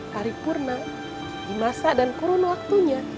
hari purna di masa dan kurun waktunya